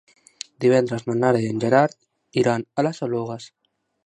Divendres na Nara i en Gerard iran a les Oluges.